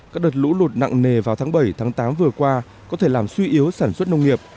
các đợt lũ lụt nặng nề vào tháng bảy tám vừa qua có thể làm suy yếu sản xuất nông nghiệp